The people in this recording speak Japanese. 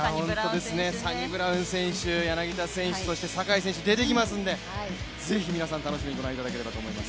サニブラウン選手、柳田選手そして坂井選手も出てきますのでぜひ皆さん、楽しんでご覧いただければと思います。